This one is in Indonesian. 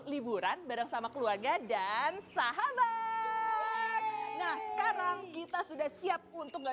liburan bareng sama keluarga dan sahabat nah sekarang kita sudah siap untuk gak